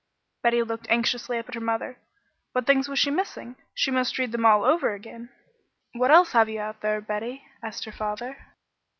Betty looked anxiously up at her mother. What things was she missing? She must read them all over again. "What else have you out there, Betty?" asked her father.